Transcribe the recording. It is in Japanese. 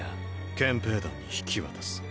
憲兵団に引き渡す。